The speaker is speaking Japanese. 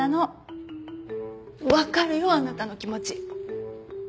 わかるよあなたの気持ち。